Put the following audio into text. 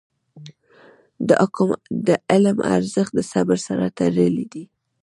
د حلم ارزښت د صبر سره تړلی دی.